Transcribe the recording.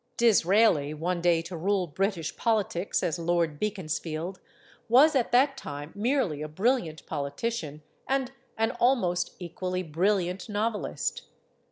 Disraeli one day to rule British politics as Lord Beaconsfield was at that time merely a brilliant poli tician and an almost equally brilliant novelist.